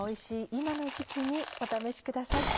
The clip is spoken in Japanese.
今の時期にお試しください。